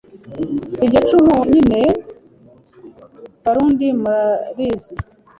Iryo cumu nyine Barundi murarizi